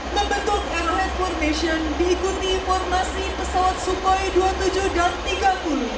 membentuk aircraft formation diikuti formasi pesawat superiore